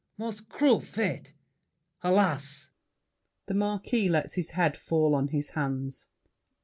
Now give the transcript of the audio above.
Most cruel fate! Alas! [The Marquis lets his head fall on his hands.